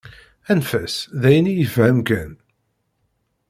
Anef-as, d ayen i yefhem kan.